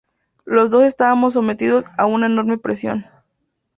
Los dos estábamos sometidos a una enorme presión.